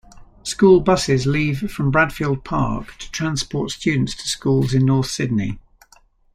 School Buses leave from Bradfield Park to transport students to schools in North Sydney.